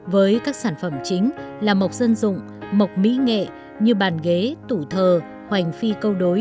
với các sản phẩm chính là mộc dân dụng mộc mỹ nghệ như bàn ghế tủ thờ hoành phi câu đối